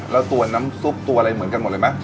แล้วตัวน้ำซุปตัวอะไรเหมือนกันหมดเลยไหม